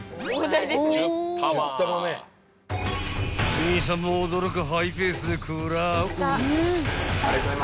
［店員さんも驚くハイペースで食らう］